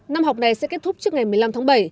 năm học này sẽ kết thúc trước ngày một mươi năm tháng bảy